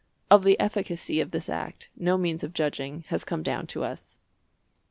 Of the efficacy of this act no means of judging has come down to us.